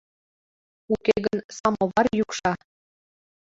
Уке гын самовар йӱкша.